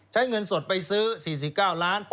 เงินสดไปซื้อ๔๙ล้าน